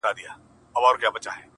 o د سترگو اوښکي دي خوړلي گراني ،